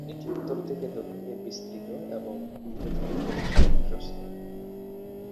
এটি উত্তর থেকে দক্ষিণে বিস্তৃত এবং পূর্ব থেকে পশ্চিমে প্রশস্ত।